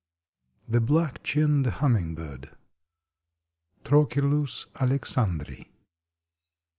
THE BLACK CHINNED HUMMINGBIRD. (_Trochilus alexandri.